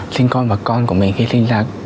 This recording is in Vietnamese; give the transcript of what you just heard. sinh con và con của mình khi sinh ra